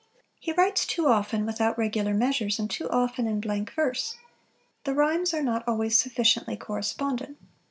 He writes too often without regular measures, and too often in blank verse; the rhymes are not always sufficiently correspondent.